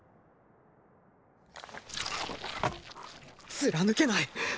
貫けない！